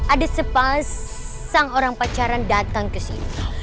ada sepasang orang pacaran datang ke sini